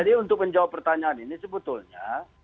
jadi untuk menjawab pertanyaan ini sebetulnya